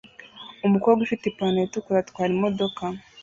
Umukobwa ufite ipantaro itukura atwara imodoka